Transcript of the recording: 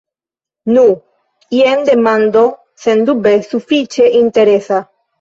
Nu, jen demando sendube sufiĉe interesa.